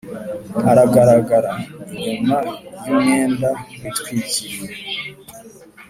aragaragara inyuma y’umwenda witwikiriye.